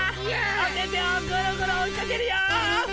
おててをぐるぐるおいかけるよ！